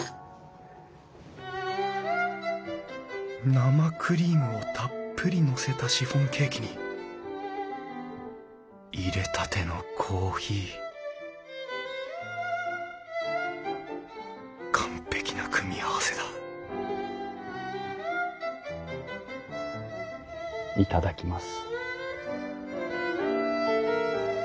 生クリームをたっぷりのせたシフォンケーキにいれたてのコーヒー完璧な組み合わせだ頂きます。